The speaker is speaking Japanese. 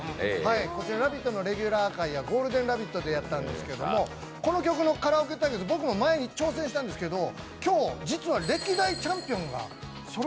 こちら、「ラヴィット！」のレギュラー回や「ゴールデンラヴィット！」でやったんですがこの曲のカラオケ対決、僕も前に挑戦したんですけど。